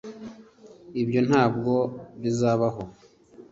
ibyo ntabwo bizabaho